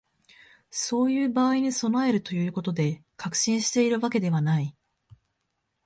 そういう場合に備えるということで、確信しているわけではない